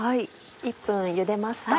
１分ゆでました